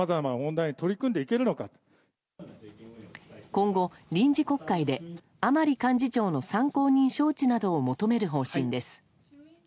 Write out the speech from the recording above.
今後、臨時国会で甘利幹事長の参考人招致などを求める方針です。